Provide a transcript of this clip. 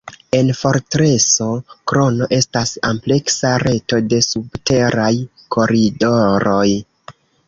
En fortreso Krono estas ampleksa reto de subteraj koridoroj.